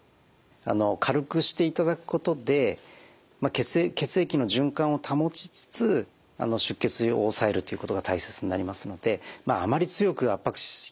軽くしていただくことで血液の循環を保ちつつ出血量をおさえるということが大切になりますのであまり強く圧迫し過ぎしまうとですね